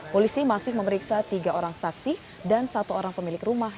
polisi masih memeriksa tiga orang saksi dan satu orang pemilik rumah